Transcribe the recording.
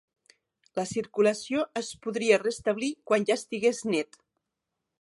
La circulació es podria restablir quan ja estigués net.